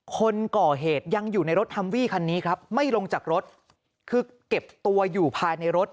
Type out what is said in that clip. คนก่อเหตุยังอยู่ในรถฮัมวี่คันนี้ครับไม่ลงจากรถคือเก็บตัวอยู่ภายในรถ